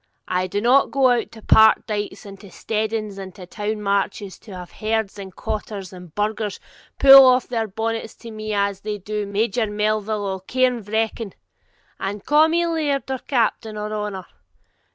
I do not go out to park dikes and to steadings and to market towns to have herds and cottars and burghers pull off their bonnets to me as they do to Major Melville o' Cairnvreckan, and ca' me laird or captain or honour.